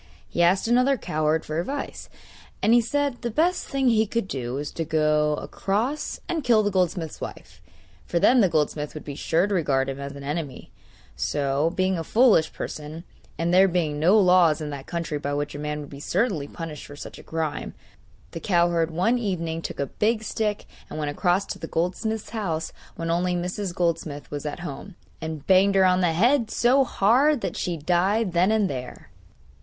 He asked another cowherd for advice, and he said the best thing he could do was to go across and kill the goldsmith's wife, for then the goldsmith would be sure to regard him as an enemy; so, being a foolish person, and there being no laws in that country by which a man would be certainly punished for such a crime, the cowherd one evening took a big stick and went across to the goldsmith's house when only Mrs. Goldsmith was at home, and banged her on the head so hard that she died then and there.